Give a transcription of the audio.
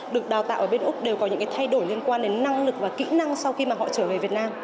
được đào tạo ở bên úc đều có những cái thay đổi liên quan đến năng lực và kỹ năng sau khi mà họ trở về việt nam